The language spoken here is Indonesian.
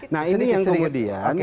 nah ini yang kemudian